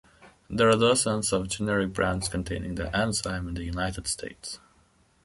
There are dozens of generic brands containing the enzyme in the United States.